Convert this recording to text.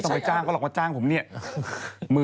จากกระแสของละครกรุเปสันนิวาสนะฮะ